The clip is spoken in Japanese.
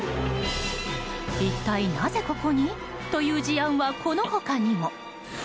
一体なぜここに？という事案はこの他にも。